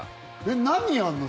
何やんの？